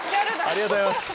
ありがとうございます。